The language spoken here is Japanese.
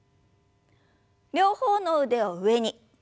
両方の腕を上に。